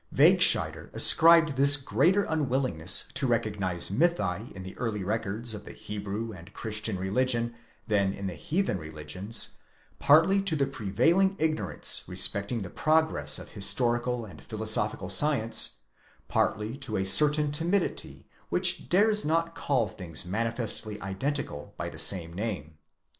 Wegscheider ascribed this greater unwillingness to recognise mythi in the early records of the Hebrew and Christian religion than in the heathen reli gions, partly to the prevailing ignorance respecting the progress of historical and philosophical science; partly to a certain timidity which dares not call things manifestly identical by the same name.